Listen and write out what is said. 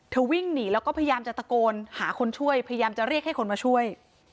วิ่งหนีแล้วก็พยายามจะตะโกนหาคนช่วยพยายามจะเรียกให้คนมาช่วย